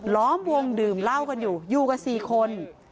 ล้อมวงดื่มเหล้ากันอยู่อยู่กัน๔คน